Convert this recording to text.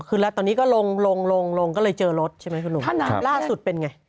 ขึ้นแล้วตอนนี้ก็ลงก็เลยเจอรถใช่ไหมถ้าน้ำราดสุดเป็นอย่างไง